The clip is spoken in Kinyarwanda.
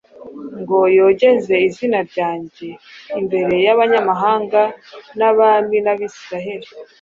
ngo yogeze izina ryanjye imbere y’abanyamahanga n’abami n’Abisirayeli»